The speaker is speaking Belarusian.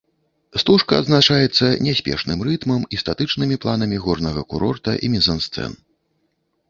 Стужка адзначаецца няспешным рытмам і статычнымі планамі горнага курорта і мізансцэн.